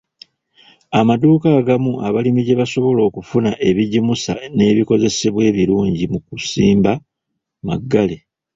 Amaduuka agamu abalimi gye basobola okufuna ebigimusa n'ebikozesebwa ebirungi mu kusimba maggale